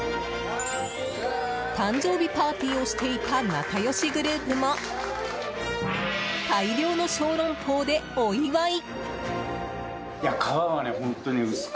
誕生日パーティーをしていた仲良しグループも大量の小籠包でお祝い！